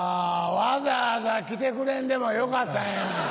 わざわざ来てくれんでもよかったんや。